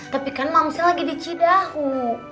tapi kan mamsnya lagi di cidahu